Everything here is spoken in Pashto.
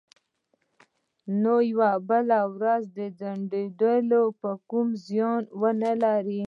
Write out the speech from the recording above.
نو یوه بله ورځ ځنډول به کوم زیان ونه لري